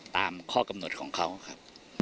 ตามข้อกำหนดของเขาครับ